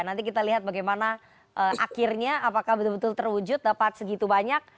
nanti kita lihat bagaimana akhirnya apakah betul betul terwujud dapat segitu banyak